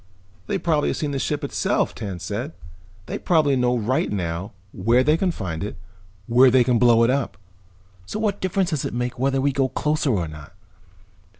"They probably have seen the ship itself," Tance said. "They probably know right now where they can find it, where they can blow it up. So what difference does it make whether we go closer or not?"